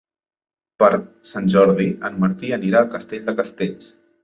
Per Sant Jordi en Martí anirà a Castell de Castells.